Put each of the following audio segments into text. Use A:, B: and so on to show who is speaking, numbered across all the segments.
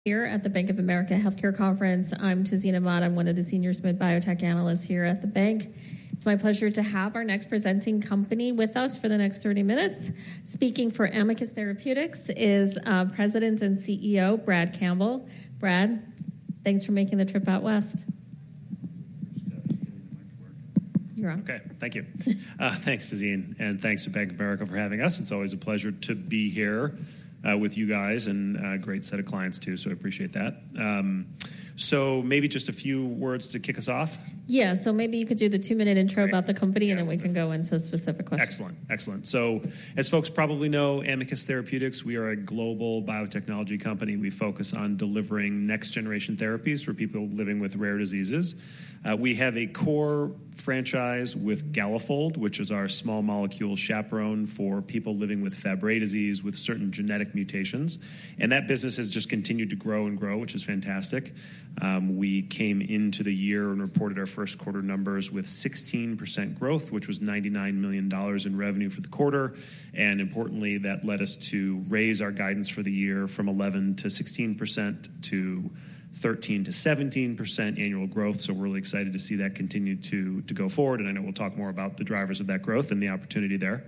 A: Here at the Bank of America Healthcare Conference, I'm Tazeen Ahmad. I'm one of the Senior MD Biotech Analysts here at the bank. It's my pleasure to have our next presenting company with us for the next 30 minutes. Speaking for Amicus Therapeutics is President and CEO Brad Campbell. Brad, thanks for making the trip out west.
B: First step is getting the mic to work.
A: You're on.
B: Okay, thank you. Thanks, Tazeen, and thanks to Bank of America for having us. It's always a pleasure to be here with you guys, and a great set of clients too, so I appreciate that. We came into the year and reported our first quarter numbers with 16% growth, which was $99 million in revenue for the quarter. And importantly, that led us to raise our guidance for the year from 11%-16% to 13%-17% annual growth. So we're really excited to see that continue to go forward, and I know we'll talk more about the drivers of that growth and the opportunity there.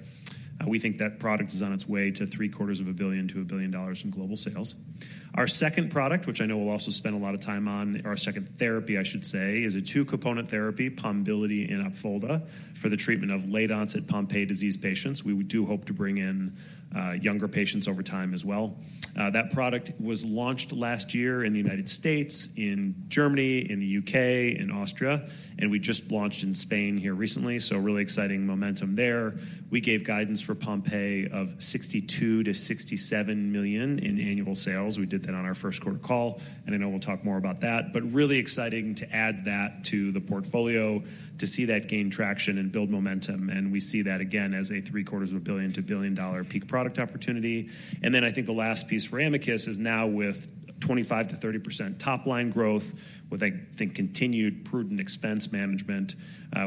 B: We think that product is on its way to $750 million-$1 billion in global sales. Our second product, which I know we'll also spend a lot of time on, our second therapy, I should say, is a two-component therapy, Pombiliti and Opfolda, for the treatment of late-onset Pompe disease patients. We do hope to bring in younger patients over time as well. That product was launched last year in the United States, in Germany, in the U.K., in Austria, and we just launched in Spain here recently, so really exciting momentum there. We gave guidance for Pompe of $62 million-$67 million in annual sales. We did that on our first quarter call, and I know we'll talk more about that. But really exciting to add that to the portfolio, to see that gain traction and build momentum. We see that again as a $750 million-$1 billion peak product opportunity. Then I think the last piece for Amicus is now with 25%-30% top-line growth, with, I think, continued prudent expense management.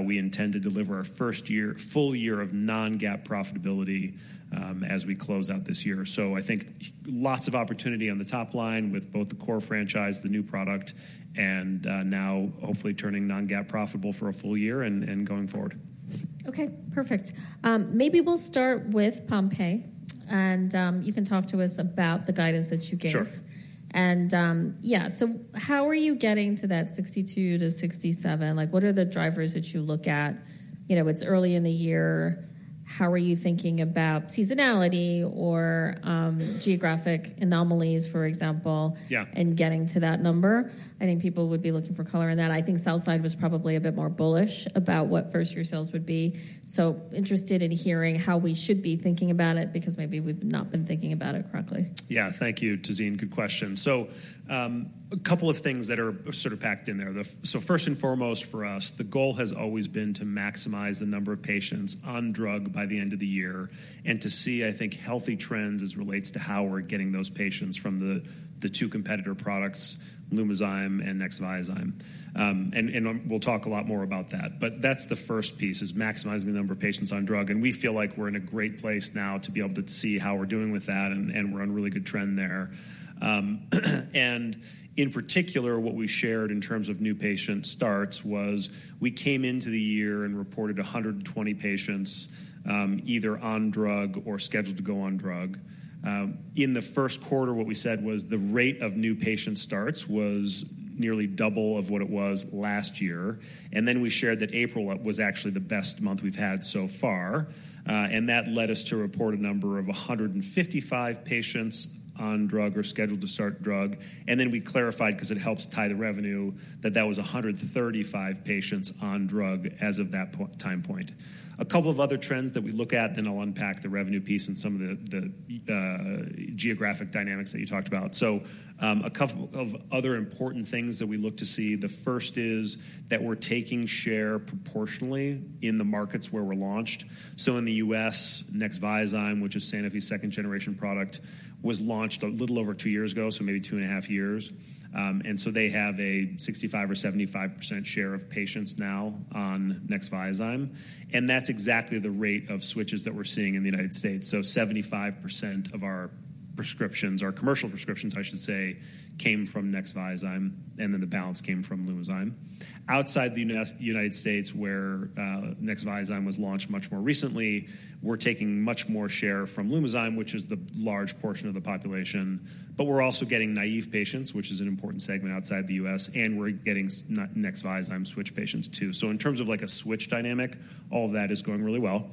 B: We intend to deliver our first full year of non-GAAP profitability as we close out this year. I think lots of opportunity on the top line with both the core franchise, the new product, and now hopefully turning non-GAAP profitable for a full year and going forward.
A: Okay, perfect. Maybe we'll start with Pompe, and you can talk to us about the guidance that you gave.
B: Sure.
A: And yeah, so how are you getting to that $62 million-$67 million? What are the drivers that you look at? It's early in the year. How are you thinking about seasonality or geographic anomalies, for example, and getting to that number? I think people would be looking for color in that. I think Sell-side was probably a bit more bullish about what first-year sales would be. So interested in hearing how we should be thinking about it because maybe we've not been thinking about it correctly.
B: Yeah, thank you, Tazeen. Good question. So a couple of things that are sort of packed in there. So first and foremost for us, the goal has always been to maximize the number of patients on drug by the end of the year and to see, I think, healthy trends as relates to how we're getting those patients from the two competitor products, Lumizyme and Nexviazyme. And we'll talk a lot more about that. But that's the first piece, is maximizing the number of patients on drug. And we feel like we're in a great place now to be able to see how we're doing with that, and we're on a really good trend there. And in particular, what we shared in terms of new patient starts was we came into the year and reported 120 patients either on drug or scheduled to go on drug. In the first quarter, what we said was the rate of new patient starts was nearly double of what it was last year. Then we shared that April was actually the best month we've had so far. That led us to report a number of 155 patients on drug or scheduled to start drug. Then we clarified, because it helps tie the revenue, that that was 135 patients on drug as of that time point. A couple of other trends that we look at, then I'll unpack the revenue piece and some of the geographic dynamics that you talked about. A couple of other important things that we look to see, the first is that we're taking share proportionally in the markets where we're launched. So in the U.S., Nexviazyme, which is Sanofi's second-generation product, was launched a little over 2 years ago, so maybe 2.5 years. And so they have a 65% or 75% share of patients now on Nexviazyme. And that's exactly the rate of switches that we're seeing in the United States. So 75% of our prescriptions, our commercial prescriptions, I should say, came from Nexviazyme, and then the balance came from Lumizyme. Outside the United States, where Nexviazyme was launched much more recently, we're taking much more share from Lumizyme, which is the large portion of the population. But we're also getting naive patients, which is an important segment outside the U.S., and we're getting Nexviazyme switch patients too. So in terms of a switch dynamic, all of that is going really well.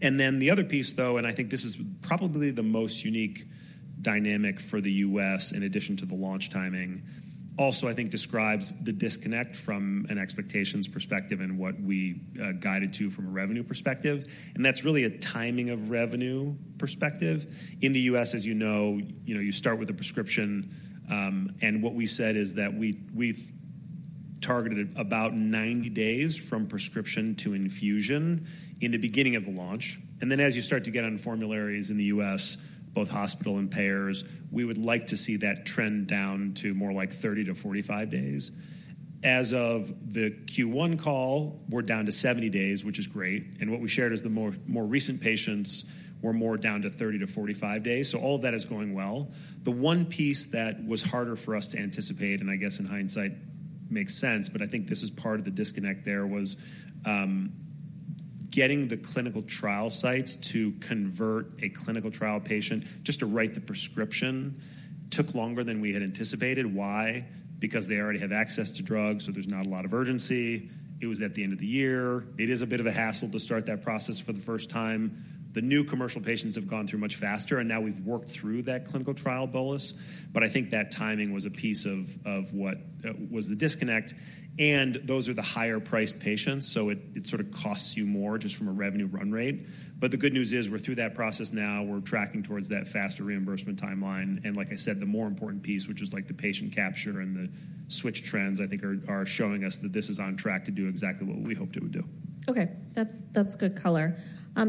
B: Then the other piece, though, and I think this is probably the most unique dynamic for the U.S. in addition to the launch timing, also I think describes the disconnect from an expectations perspective and what we guided to from a revenue perspective. And that's really a timing of revenue perspective. In the U.S., as you know, you start with a prescription, and what we said is that we targeted about 90 days from prescription to infusion in the beginning of the launch. And then as you start to get on formularies in the U.S., both hospital and payers, we would like to see that trend down to more like 30-45 days. As of the Q1 call, we're down to 70 days, which is great. And what we shared is the more recent patients were more down to 30-45 days. So all of that is going well. The one piece that was harder for us to anticipate, and I guess in hindsight makes sense, but I think this is part of the disconnect there, was getting the clinical trial sites to convert a clinical trial patient just to write the prescription took longer than we had anticipated. Why? Because they already have access to drugs, so there's not a lot of urgency. It was at the end of the year. It is a bit of a hassle to start that process for the first time. The new commercial patients have gone through much faster, and now we've worked through that clinical trial bolus. But I think that timing was a piece of what was the disconnect. Those are the higher-priced patients, so it sort of costs you more just from a revenue run rate. The good news is we're through that process now. We're tracking towards that faster reimbursement timeline. Like I said, the more important piece, which is the patient capture and the switch trends, I think are showing us that this is on track to do exactly what we hoped it would do.
A: Okay, that's good color.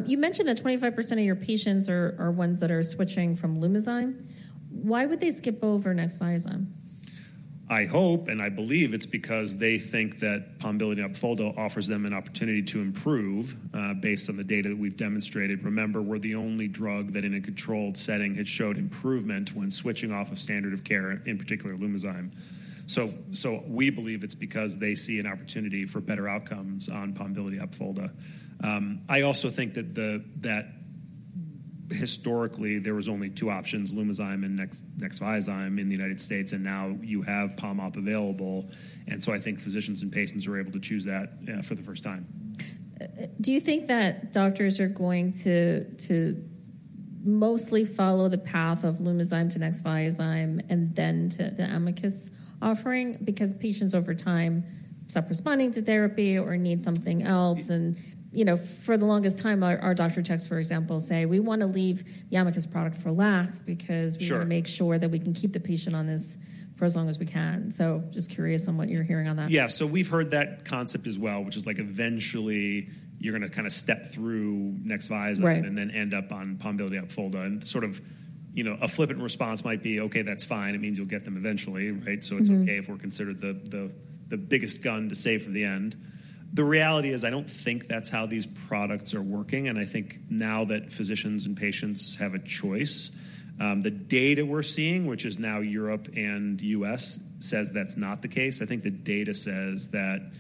A: You mentioned that 25% of your patients are ones that are switching from Lumizyme. Why would they skip over Nexviazyme?
B: I hope, and I believe it's because they think that Pombiliti and Opfolda offers them an opportunity to improve based on the data that we've demonstrated. Remember, we're the only drug that in a controlled setting had showed improvement when switching off of standard of care, in particular Lumizyme. So we believe it's because they see an opportunity for better outcomes on Pombiliti and Opfolda. I also think that historically there was only two options, Lumizyme and Nexviazyme, in the United States, and now you have PomOp available. And so I think physicians and patients are able to choose that for the first time.
A: Do you think that doctors are going to mostly follow the path of Lumizyme to Nexviazyme and then to the Amicus offering because patients over time stop responding to therapy or need something else? For the longest time, our doctor checks, for example, say, "We want to leave the Amicus product for last because we want to make sure that we can keep the patient on this for as long as we can." Just curious on what you're hearing on that.
B: Yeah, so we've heard that concept as well, which is eventually you're going to kind of step through Nexviazyme and then end up on Pombiliti and Opfolda. And sort of a flippant response might be, "Okay, that's fine. It means you'll get them eventually," right? So it's okay if we're considered the biggest gun to save for the end. The reality is I don't think that's how these products are working. And I think now that physicians and patients have a choice, the data we're seeing, which is now Europe and U.S., says that's not the case. I think the data says that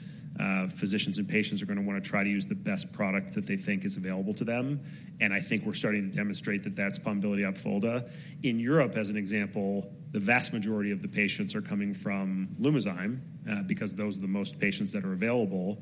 B: physicians and patients are going to want to try to use the best product that they think is available to them. And I think we're starting to demonstrate that that's Pombiliti and Opfolda. In Europe, as an example, the vast majority of the patients are coming from Lumizyme because those are the most patients that are available.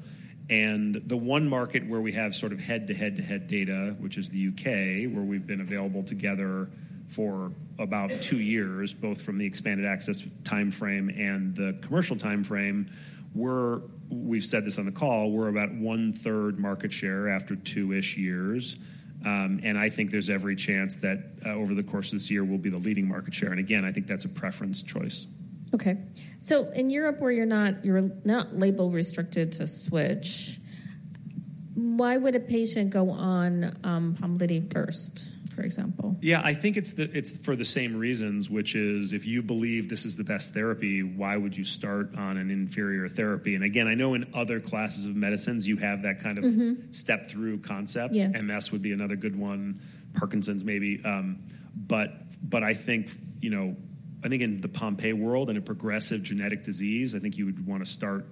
B: The one market where we have sort of head-to-head-to-head data, which is the U.K., where we've been available together for about 2 years, both from the expanded access time frame and the commercial time frame, we've said this on the call, we're about one-third market share after 2-ish years. And again, I think there's every chance that over the course of this year we'll be the leading market share. And again, I think that's a preference choice.
A: Okay. So in Europe where you're not label-restricted to switch, why would a patient go on Pombiliti first, for example?
B: Yeah, I think it's for the same reasons, which is if you believe this is the best therapy, why would you start on an inferior therapy? And again, I know in other classes of medicines you have that kind of step-through concept. MS would be another good one, Parkinson's maybe. But I think in the Pompe world and a progressive genetic disease, I think you would want to start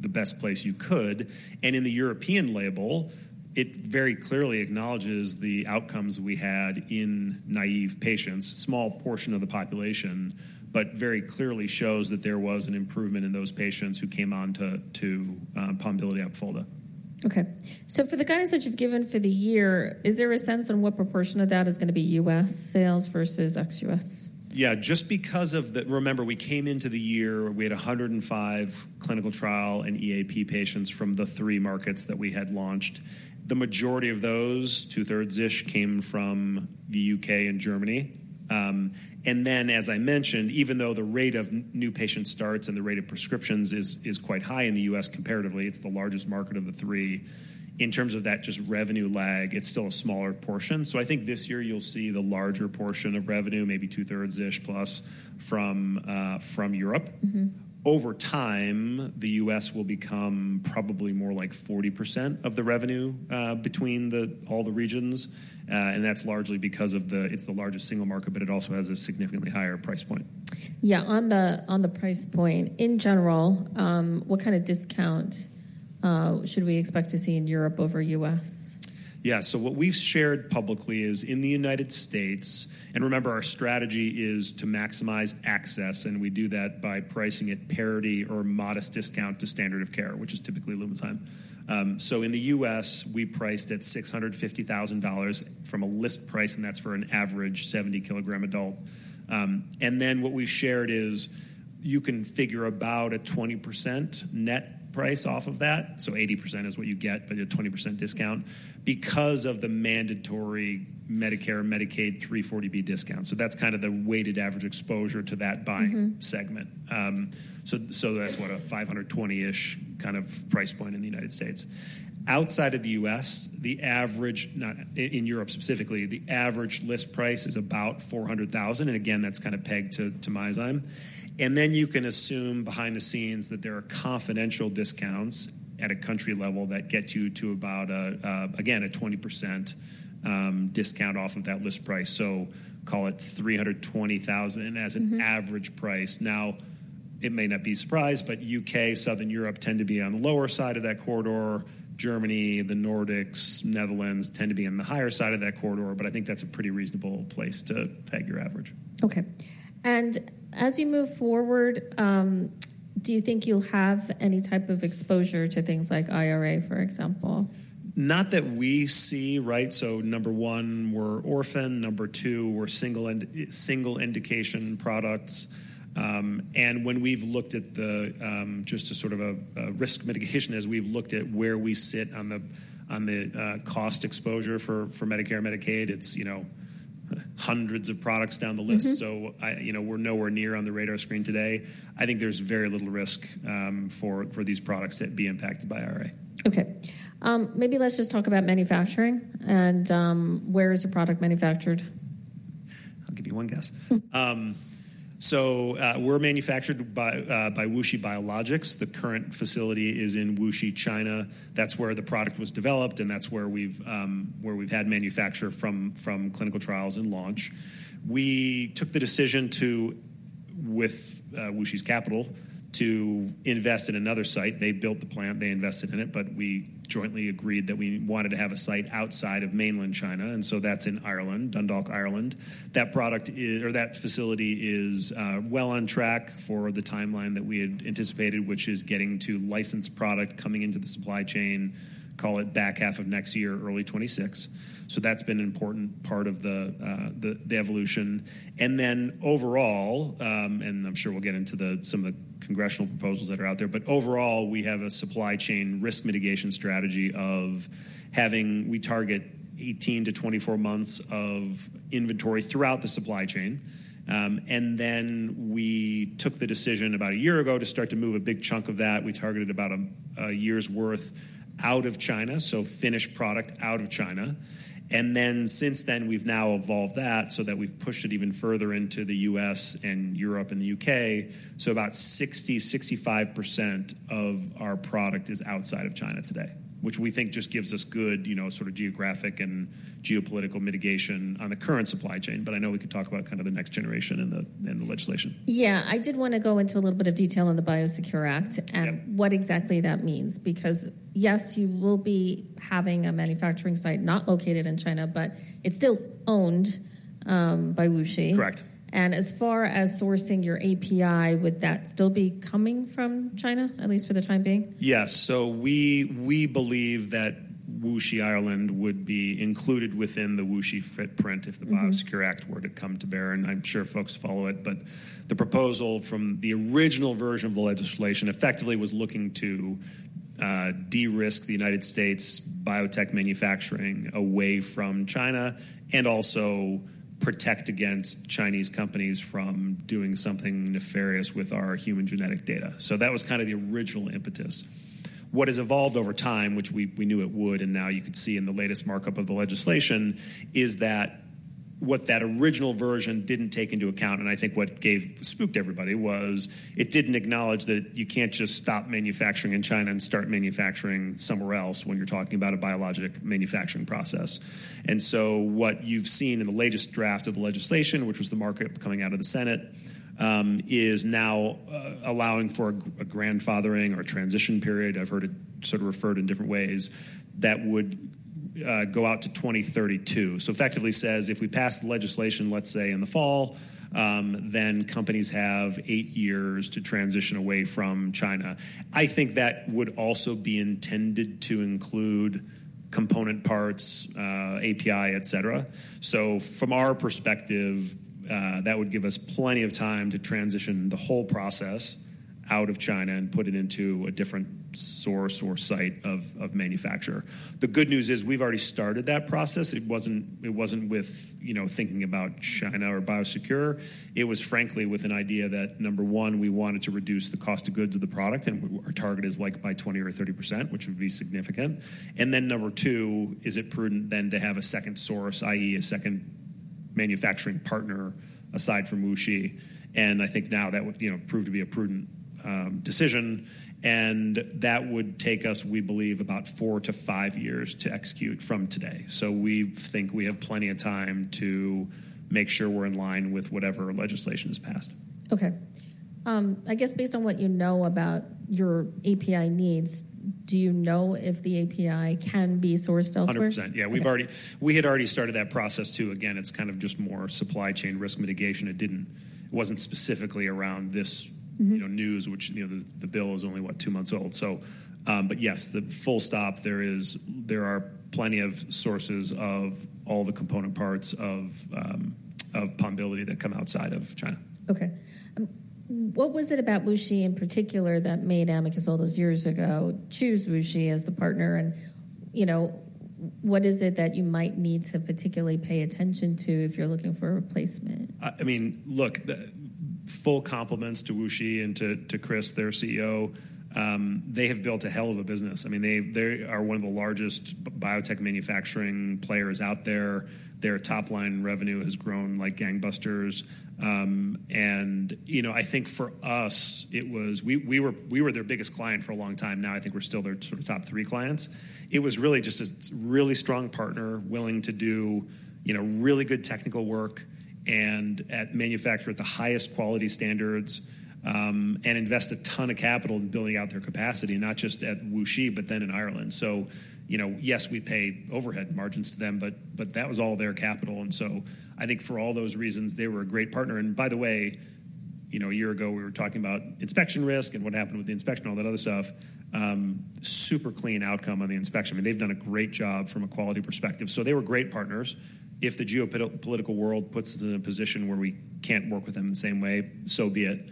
B: the best place you could. And in the European label, it very clearly acknowledges the outcomes we had in naive patients, a small portion of the population, but very clearly shows that there was an improvement in those patients who came on to Pombiliti and Opfolda.
A: Okay. So for the guidance that you've given for the year, is there a sense on what proportion of that is going to be U.S. sales versus ex-U.S.?
B: Yeah, just because, remember, we came into the year, we had 105 clinical trial and EAP patients from the three markets that we had launched. The majority of those, two-thirds-ish, came from the U.K. and Germany. And then, as I mentioned, even though the rate of new patient starts and the rate of prescriptions is quite high in the U.S. comparatively, it's the largest market of the three. In terms of that just revenue lag, it's still a smaller portion. So I think this year you'll see the larger portion of revenue, maybe two-thirds-ish plus, from Europe. Over time, the U.S. will become probably more like 40% of the revenue between all the regions. And that's largely because it's the largest single market, but it also has a significantly higher price point.
A: Yeah, on the price point, in general, what kind of discount should we expect to see in Europe over U.S.?
B: Yeah, so what we've shared publicly is in the United States, and remember our strategy is to maximize access, and we do that by pricing at parity or modest discount to standard of care, which is typically Lumizyme. So in the U.S., we priced at $650,000 list price, and that's for an average 70-kilogram adult. And then what we've shared is you can figure about a 20% net price off of that, so 80% is what you get, but a 20% discount, because of the mandatory Medicare and Medicaid 340B discount. So that's kind of the weighted average exposure to that buying segment. So that's what, a 520,000-ish kind of price point in the United States. Outside of the U.S., the average in Europe specifically, the average list price is about $400,000, and again, that's kind of pegged to Lumizyme. Then you can assume behind the scenes that there are confidential discounts at a country level that get you to about, again, a 20% discount off of that list price. Call it $320,000 as an average price. Now, it may not be a surprise, but U.K., Southern Europe tend to be on the lower side of that corridor. Germany, the Nordics, Netherlands tend to be on the higher side of that corridor, but I think that's a pretty reasonable place to peg your average.
A: Okay. As you move forward, do you think you'll have any type of exposure to things like IRA, for example?
B: Not that we see, right? So number 1, we're orphan. Number 2, we're single-indication products. And when we've looked at the just sort of a risk mitigation, as we've looked at where we sit on the cost exposure for Medicare and Medicaid, it's hundreds of products down the list. So we're nowhere near on the radar screen today. I think there's very little risk for these products that be impacted by IRA.
A: Okay. Maybe let's just talk about manufacturing. Where is the product manufactured?
B: I'll give you one guess. So we're manufactured by WuXi Biologics. The current facility is in Wuxi, China. That's where the product was developed, and that's where we've had manufacture from clinical trials and launch. We took the decision with WuXi's capital to invest in another site. They built the plant. They invested in it, but we jointly agreed that we wanted to have a site outside of mainland China. And so that's in Ireland, Dundalk, Ireland. That product or that facility is well on track for the timeline that we had anticipated, which is getting to licensed product coming into the supply chain, call it back half of next year, early 2026. So that's been an important part of the evolution. Then overall, and I'm sure we'll get into some of the congressional proposals that are out there, but overall, we have a supply chain risk mitigation strategy of having we target 18-24 months of inventory throughout the supply chain. Then we took the decision about a year ago to start to move a big chunk of that. We targeted about a year's worth out of China, so finished product out of China. And then since then, we've now evolved that so that we've pushed it even further into the U.S. and Europe and the U.K. So about 60%-65% of our product is outside of China today, which we think just gives us good sort of geographic and geopolitical mitigation on the current supply chain. But I know we could talk about kind of the next generation in the legislation.
A: Yeah, I did want to go into a little bit of detail on the Biosecure Act and what exactly that means because yes, you will be having a manufacturing site not located in China, but it's still owned by WuXi.
B: Correct.
A: As far as sourcing your API, would that still be coming from China, at least for the time being?
B: Yes. So we believe that WuXi, Ireland, would be included within the WuXi footprint if the Biosecure Act were to come to bear. And I'm sure folks follow it. But the proposal from the original version of the legislation effectively was looking to de-risk the United States biotech manufacturing away from China and also protect against Chinese companies from doing something nefarious with our human genetic data. So that was kind of the original impetus. What has evolved over time, which we knew it would, and now you could see in the latest markup of the legislation, is that what that original version didn't take into account, and I think what spooked everybody was it didn't acknowledge that you can't just stop manufacturing in China and start manufacturing somewhere else when you're talking about a biologic manufacturing process. What you've seen in the latest draft of the legislation, which was the market coming out of the Senate, is now allowing for a grandfathering or a transition period. I've heard it sort of referred in different ways that would go out to 2032. So effectively says, if we pass the legislation, let's say, in the fall, then companies have eight years to transition away from China. I think that would also be intended to include component parts, API, etc. So from our perspective, that would give us plenty of time to transition the whole process out of China and put it into a different source or site of manufacture. The good news is we've already started that process. It wasn't with thinking about China or Biosecure. It was frankly with an idea that, number one, we wanted to reduce the cost of goods of the product, and our target is by 20%-30%, which would be significant. Then number two, is it prudent then to have a second source, i.e., a second manufacturing partner aside from Wuxi? I think now that would prove to be a prudent decision. That would take us, we believe, about 4-5 years to execute from today. We think we have plenty of time to make sure we're in line with whatever legislation is passed.
A: Okay. I guess based on what you know about your API needs, do you know if the API can be sourced elsewhere?
B: 100%. Yeah, we had already started that process too. Again, it's kind of just more supply chain risk mitigation. It wasn't specifically around this news, which the bill is only, what, two months old. But yes, the full stop, there are plenty of sources of all the component parts of Pombiliti that come outside of China.
A: Okay. What was it about Wuxi in particular that made Amicus all those years ago choose Wuxi as the partner? And what is it that you might need to particularly pay attention to if you're looking for a replacement?
B: I mean, look, full compliments to WuXi and to Chris, their CEO. They have built a hell of a business. I mean, they are one of the largest biotech manufacturing players out there. Their top-line revenue has grown like gangbusters. And I think for us, it was we were their biggest client for a long time. Now, I think we're still their sort of top three clients. It was really just a really strong partner willing to do really good technical work and manufacture at the highest quality standards and invest a ton of capital in building out their capacity, not just at WuXi, but then in Ireland. So yes, we pay overhead margins to them, but that was all their capital. And so I think for all those reasons, they were a great partner. And by the way, a year ago, we were talking about inspection risk and what happened with the inspection and all that other stuff. Super clean outcome on the inspection. I mean, they've done a great job from a quality perspective. So they were great partners. If the geopolitical world puts us in a position where we can't work with them the same way, so be it.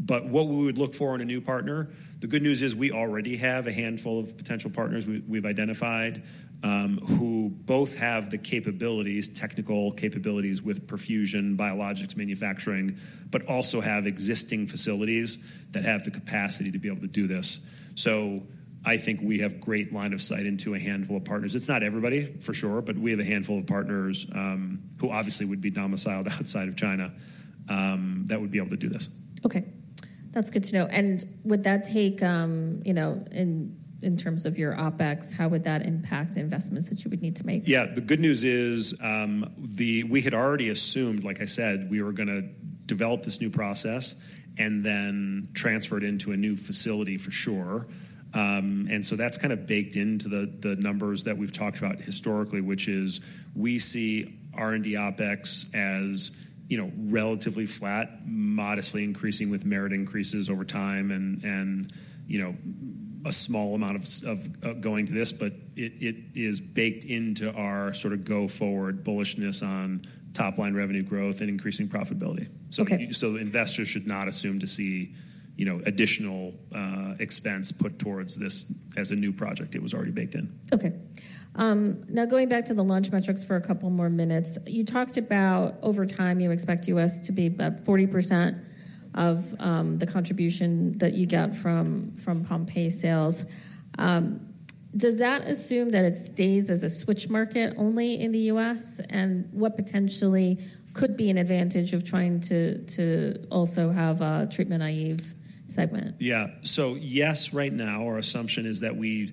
B: But what we would look for in a new partner, the good news is we already have a handful of potential partners we've identified who both have the capabilities, technical capabilities with perfusion, biologics manufacturing, but also have existing facilities that have the capacity to be able to do this. So I think we have great line of sight into a handful of partners. It's not everybody, for sure, but we have a handful of partners who obviously would be domiciled outside of China that would be able to do this.
A: Okay. That's good to know. Would that take in terms of your OpEx, how would that impact investments that you would need to make?
B: Yeah, the good news is we had already assumed, like I said, we were going to develop this new process and then transfer it into a new facility, for sure. And so that's kind of baked into the numbers that we've talked about historically, which is we see R&D OpEx as relatively flat, modestly increasing with merit increases over time and a small amount of going to this, but it is baked into our sort of go-forward bullishness on top-line revenue growth and increasing profitability. So investors should not assume to see additional expense put towards this as a new project. It was already baked in.
A: Okay. Now, going back to the launch metrics for a couple more minutes, you talked about over time, you expect U.S. to be about 40% of the contribution that you get from Pompe sales. Does that assume that it stays as a switch market only in the U.S.? And what potentially could be an advantage of trying to also have a treatment-naïve segment?
B: Yeah. So yes, right now, our assumption is that we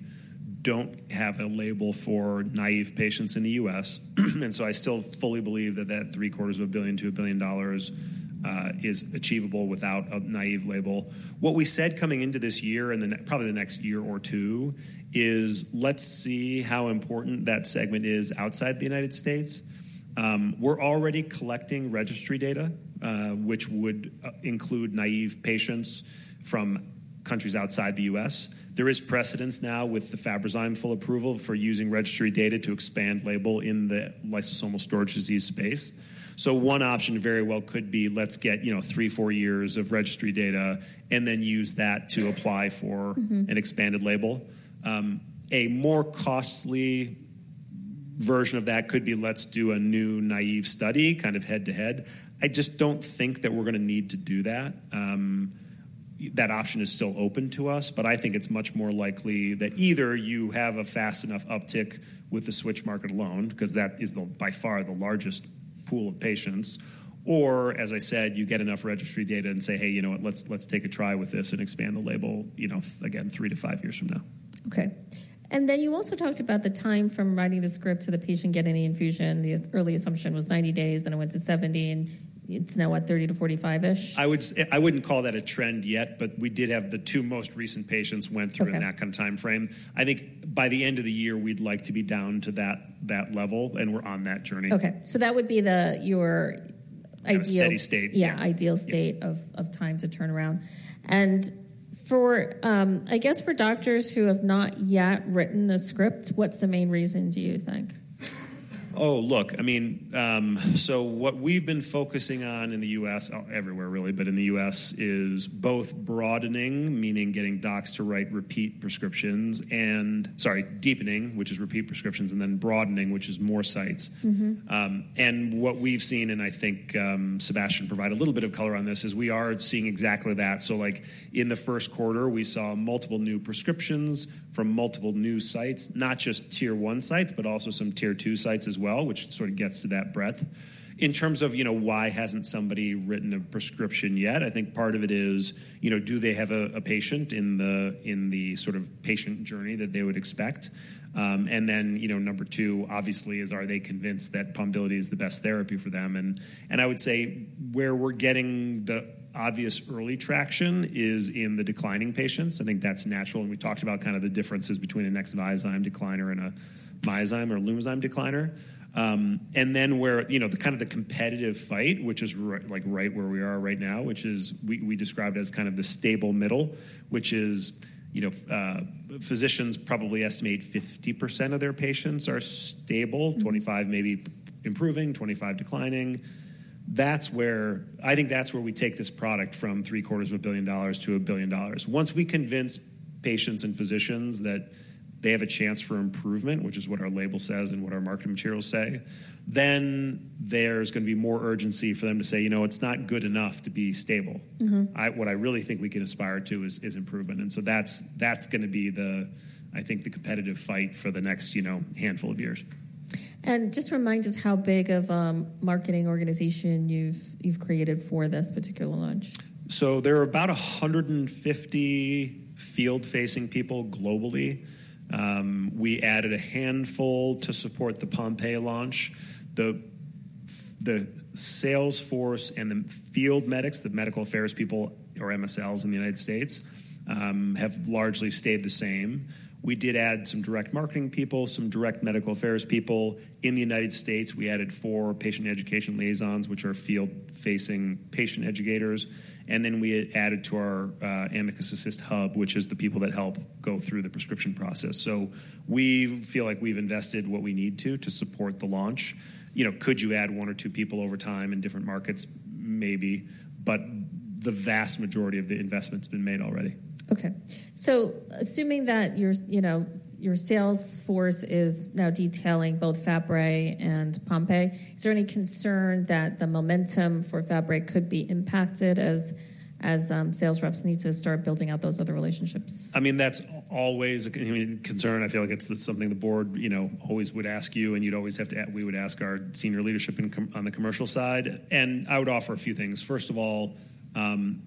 B: don't have a label for naive patients in the U.S. And so I still fully believe that that $0.75 billion-$1 billion is achievable without a naive label. What we said coming into this year and probably the next year or 2 is let's see how important that segment is outside the United States. We're already collecting registry data, which would include naive patients from countries outside the U.S. There is precedent now with the Fabrazyme full approval for using registry data to expand label in the lysosomal storage disease space. So one option very well could be let's get 3, 4 years of registry data and then use that to apply for an expanded label. A more costly version of that could be let's do a new naive study kind of head-to-head. I just don't think that we're going to need to do that. That option is still open to us, but I think it's much more likely that either you have a fast enough uptick with the switch market alone because that is by far the largest pool of patients, or as I said, you get enough registry data and say, "Hey, you know what? Let's take a try with this and expand the label, again, 3-5 years from now.
A: Okay. Then you also talked about the time from writing the script to the patient get any infusion. The early assumption was 90 days, then it went to 70, and it's now, what, 30-45-ish?
B: I wouldn't call that a trend yet, but we did have the two most recent patients went through in that kind of timeframe. I think by the end of the year, we'd like to be down to that level, and we're on that journey.
A: Okay. So that would be your ideal.
B: A steady state.
A: Yeah, ideal state of time to turn around. I guess for doctors who have not yet written the script, what's the main reason, do you think?
B: Oh, look, I mean, so what we've been focusing on in the U.S., everywhere really, but in the U.S., is both broadening, meaning getting docs to write repeat prescriptions, and sorry, deepening, which is repeat prescriptions, and then broadening, which is more sites. And what we've seen, and I think Sébastien provided a little bit of color on this, is we are seeing exactly that. So in the first quarter, we saw multiple new prescriptions from multiple new sites, not just tier one sites, but also some tier two sites as well, which sort of gets to that breadth. In terms of why hasn't somebody written a prescription yet, I think part of it is do they have a patient in the sort of patient journey that they would expect? And then number two, obviously, is are they convinced that Pombiliti is the best therapy for them? I would say where we're getting the obvious early traction is in the declining patients. I think that's natural. We talked about kind of the differences between a Nexviazyme decliner and a Myozyme or Lumizyme decliner. Then kind of the competitive fight, which is right where we are right now, which we described as kind of the stable middle, which is physicians probably estimate 50% of their patients are stable, 25 maybe improving, 25 declining. I think that's where we take this product from $750 million-$1 billion. Once we convince patients and physicians that they have a chance for improvement, which is what our label says and what our marketing materials say, then there's going to be more urgency for them to say, "It's not good enough to be stable." What I really think we can aspire to is improvement. That's going to be, I think, the competitive fight for the next handful of years.
A: Just remind us how big of a marketing organization you've created for this particular launch.
B: So there are about 150 field-facing people globally. We added a handful to support the Pompe launch. The sales force and the field medics, the medical affairs people or MSLs in the United States, have largely stayed the same. We did add some direct marketing people, some direct medical affairs people in the United States. We added 4 patient education liaisons, which are field-facing patient educators. Then we added to our Amicus Assist Hub, which is the people that help go through the prescription process. So we feel like we've invested what we need to to support the launch. Could you add 1 or 2 people over time in different markets, maybe, but the vast majority of the investment's been made already.
A: Okay. So assuming that your sales force is now detailing both Fabry and Pompe, is there any concern that the momentum for Fabry could be impacted as sales reps need to start building out those other relationships?
B: I mean, that's always a concern. I feel like it's something the board always would ask you, and you'd always have to. We would ask our senior leadership on the commercial side. And I would offer a few things. First of all,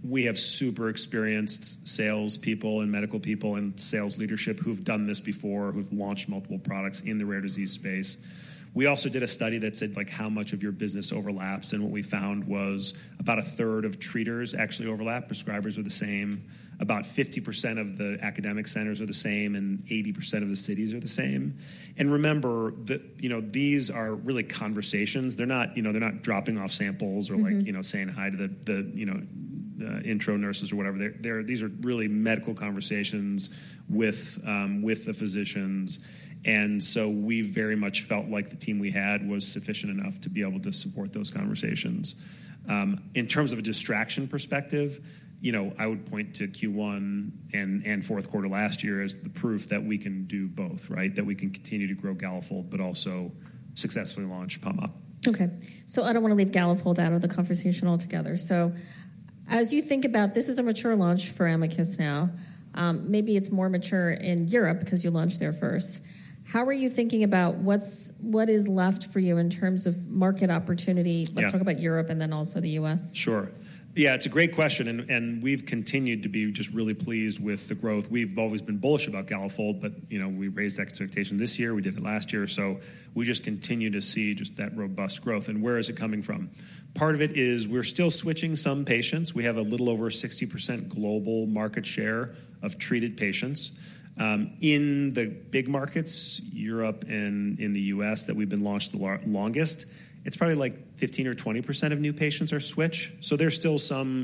B: we have super experienced salespeople and medical people and sales leadership who've done this before, who've launched multiple products in the rare disease space. We also did a study that said how much of your business overlaps, and what we found was about a third of treaters actually overlap, prescribers are the same, about 50% of the academic centers are the same, and 80% of the cities are the same. And remember, these are really conversations. They're not dropping off samples or saying hi to the intro nurses or whatever. These are really medical conversations with the physicians. So we very much felt like the team we had was sufficient enough to be able to support those conversations. In terms of a distraction perspective, I would point to Q1 and fourth quarter last year as the proof that we can do both, right? That we can continue to grow Galafold, but also successfully launch Pombiliti.
A: Okay. So I don't want to leave Galafold out of the conversation altogether. So as you think about this is a mature launch for Amicus now. Maybe it's more mature in Europe because you launched there first. How are you thinking about what is left for you in terms of market opportunity? Let's talk about Europe and then also the US.
B: Sure. Yeah, it's a great question. We've continued to be just really pleased with the growth. We've always been bullish about Galafold, but we raised expectations this year. We did it last year. So we just continue to see just that robust growth. And where is it coming from? Part of it is we're still switching some patients. We have a little over 60% global market share of treated patients. In the big markets, Europe and in the US that we've been launched the longest, it's probably like 15% or 20% of new patients are switch. So there's still some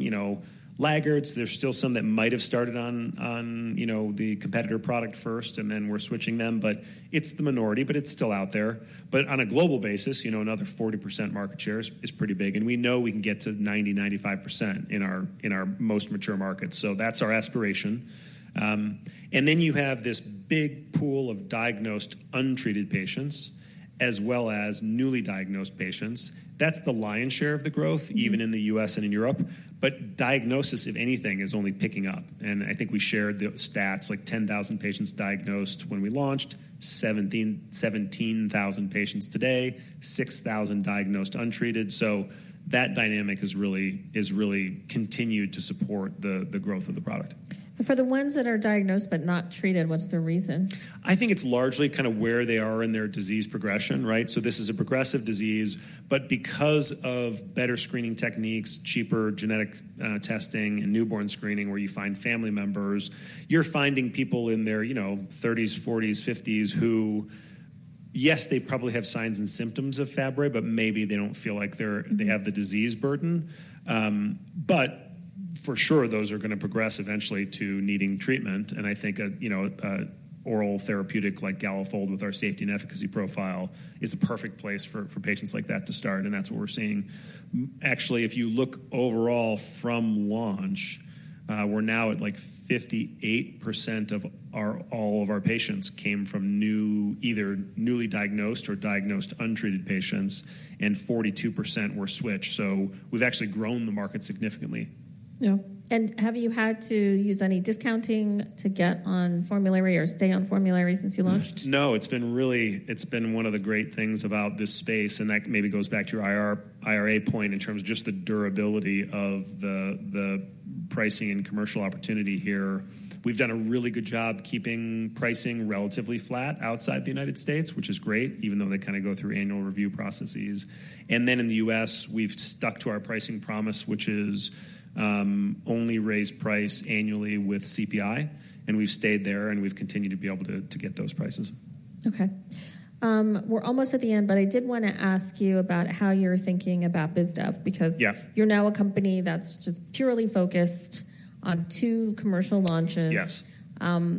B: laggards. There's still some that might have started on the competitor product first, and then we're switching them. But it's the minority, but it's still out there. But on a global basis, another 40% market share is pretty big. We know we can get to 90%-95% in our most mature markets. That's our aspiration. You have this big pool of diagnosed untreated patients as well as newly diagnosed patients. That's the lion's share of the growth, even in the U.S. and in Europe. Diagnosis, if anything, is only picking up. I think we shared the stats, like 10,000 patients diagnosed when we launched, 17,000 patients today, 6,000 diagnosed untreated. That dynamic has really continued to support the growth of the product.
A: For the ones that are diagnosed but not treated, what's the reason?
B: I think it's largely kind of where they are in their disease progression, right? So this is a progressive disease, but because of better screening techniques, cheaper genetic testing and newborn screening where you find family members, you're finding people in their 30s, 40s, 50s who, yes, they probably have signs and symptoms of Fabry, but maybe they don't feel like they have the disease burden. But for sure, those are going to progress eventually to needing treatment. And I think an oral therapeutic like Galafold with our safety and efficacy profile is a perfect place for patients like that to start. And that's what we're seeing. Actually, if you look overall from launch, we're now at like 58% of all of our patients came from either newly diagnosed or diagnosed untreated patients, and 42% were switched. So we've actually grown the market significantly.
A: Yeah. Have you had to use any discounting to get on formulary or stay on formulary since you launched?
B: No, it's been one of the great things about this space, and that maybe goes back to your IRA point in terms of just the durability of the pricing and commercial opportunity here. We've done a really good job keeping pricing relatively flat outside the United States, which is great, even though they kind of go through annual review processes. And then in the U.S., we've stuck to our pricing promise, which is only raise price annually with CPI. And we've stayed there, and we've continued to be able to get those prices.
A: Okay. We're almost at the end, but I did want to ask you about how you're thinking about BizDev because you're now a company that's just purely focused on two commercial launches. In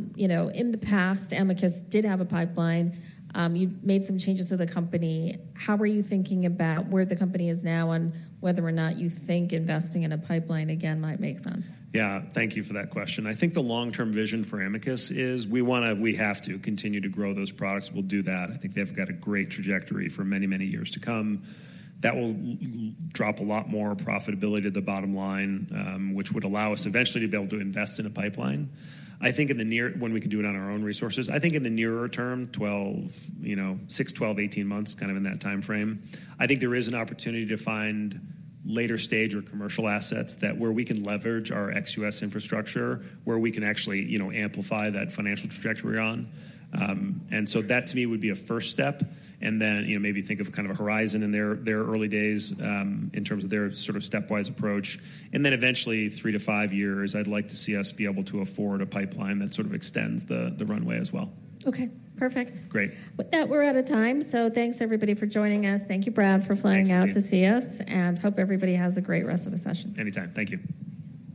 A: the past, Amicus did have a pipeline. You made some changes to the company. How are you thinking about where the company is now and whether or not you think investing in a pipeline again might make sense?
B: Yeah, thank you for that question. I think the long-term vision for Amicus is we have to continue to grow those products. We'll do that. I think they've got a great trajectory for many, many years to come. That will drop a lot more profitability to the bottom line, which would allow us eventually to be able to invest in a pipeline. I think in the near when we can do it on our own resources, I think in the nearer term, 6, 12, 18 months, kind of in that timeframe, I think there is an opportunity to find later stage or commercial assets where we can leverage our ex-US infrastructure, where we can actually amplify that financial trajectory on. And so that, to me, would be a first step. And then maybe think of kind of a horizon in their early days in terms of their sort of stepwise approach. And then eventually, three to five years, I'd like to see us be able to afford a pipeline that sort of extends the runway as well.
A: Okay. Perfect.
B: Great.
A: With that, we're out of time. So thanks, everybody, for joining us. Thank you, Brad, for flying out to see us, and hope everybody has a great rest of the session.
B: Anytime. Thank you.